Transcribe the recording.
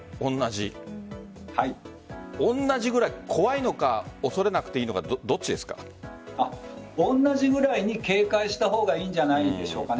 同じくらい怖いのか、恐れなくていいのか同じくらいに警戒した方がいいんじゃないんでしょうか。